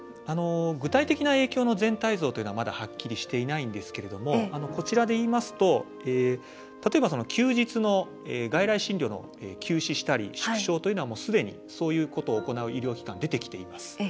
具体的な影響の全体像というのは、まだはっきりしていないんですけどもこちらでいいますと例えば休日の外来診療を休止したり縮小というのはすでにそういうことを行う医療機関というのは出てきています。